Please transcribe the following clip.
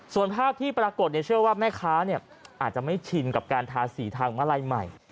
ส่วนภาพที่ปรากฏเชื่อว่าแม่ค้าอาจจะไม่ชินกับการทาสีทางมาลัยใหม่